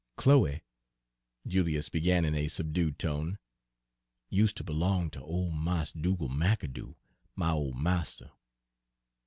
"Chloe," Julius began in a subdued tone, "use' ter b'long ter ole Mars' Dugal' McAdoo, my ole marster.